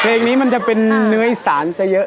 เพลงนี้มันจะเป็นเนื้ออีสานซะเยอะ